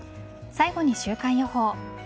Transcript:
最後に週間予報。